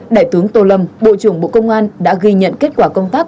đại tướng tô lâm bộ trưởng bộ công an đã ghi nhận kết quả công tác